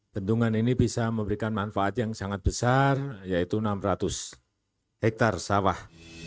bendungan ini bisa memberikan manfaat yang sangat besar yaitu enam ratus hektare sawah